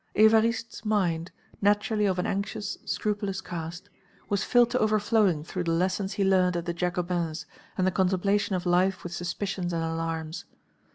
Évariste's mind, naturally of an anxious, scrupulous cast, was filled to overflowing through the lessons he learned at the Jacobins and the contemplation of life with suspicions and alarms.